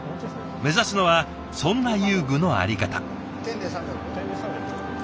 目指すのはそんな遊具のあり方。